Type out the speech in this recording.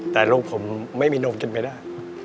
แต่ลูกผมไม่มีนมกินไม่ได้